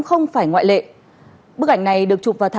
thông tin kinh tế giả